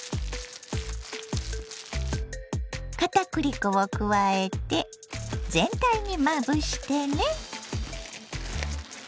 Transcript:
かたくり粉を加えて全体にまぶしてね。